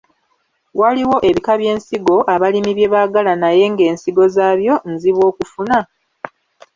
Waliwo ebika by’ensigo abalimi bye baagala naye ng’ensigo zaabyo nzibu okufuna?